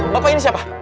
bapak ini siapa